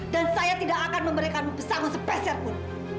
dan saya tidak akan memberikanmu pesangon spesial pun